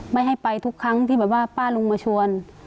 ไม่ให้ไปทุกครั้งที่แบบว่าป้าลุงมาชวน